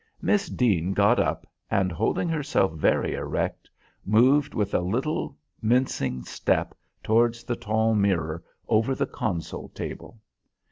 Miss Deane got up, and holding herself very erect, moved with a little mincing step towards the tall mirror over the console table.